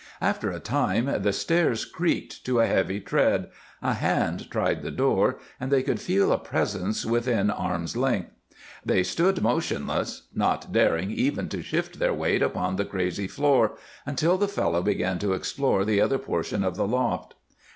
After a time the stairs creaked to a heavy tread, a hand tried the door, and they could feel a presence within arm's length. They stood motionless, not daring even to shift their weight upon the crazy floor, until the fellow began to explore the other portion of the loft.